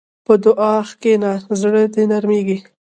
په دعا کښېنه، زړه دې نرمېږي.